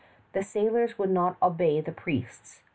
The sailors would not obey the priests.